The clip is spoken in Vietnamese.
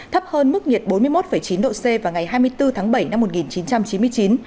thấp hơn mức nhiệt bốn mươi một chín độ c vào ngày hai mươi bốn tháng bảy năm một nghìn chín trăm chín mươi chín